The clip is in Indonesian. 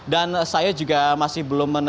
dan saya juga masih belum menerima